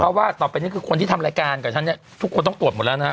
เพราะว่าต่อไปนี้คือคนที่ทำรายการกับฉันเนี่ยทุกคนต้องตรวจหมดแล้วนะฮะ